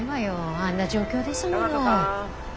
あんな状況ですもの。